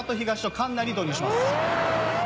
管内に導入します。